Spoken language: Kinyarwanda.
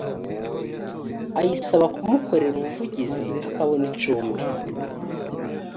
ayisaba kumukorera ubuvugizi akabona icumbi